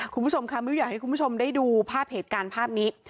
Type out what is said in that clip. คุณผู้ชมค่ะมิ้วอยากให้คุณผู้ชมได้ดูภาพเหตุการณ์ภาพนี้